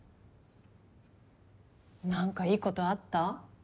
何かいいことあった？